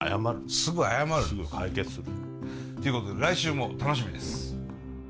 すぐ解決する。ということで来週も楽しみです！